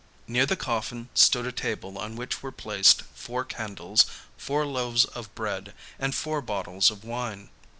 Near the coffin stood a table on which were placed four candles, four loaves of bread, and four bottles of wine.